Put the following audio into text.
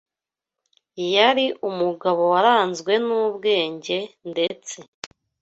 Yari umugabo waranzwe n’ubwenge ndetse